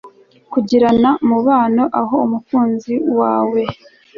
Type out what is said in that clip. kugirana umubano aho umukunzi wawe